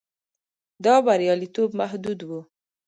دا بریالیتوب محدود و.